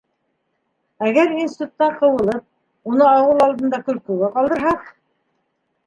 Әгәр институттан ҡыуылып, уны ауыл алдында көлкөгә ҡалдырһаҡ...